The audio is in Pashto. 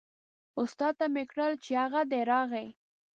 استاد ته مې کړل چې هغه دی راغی.